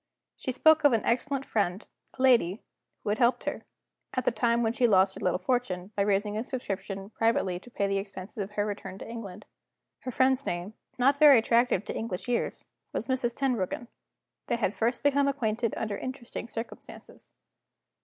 She spoke of an excellent friend (a lady), who had helped her, at the time when she lost her little fortune, by raising a subscription privately to pay the expenses of her return to England. Her friend's name not very attractive to English ears was Mrs. Tenbruggen; they had first become acquainted under interesting circumstances.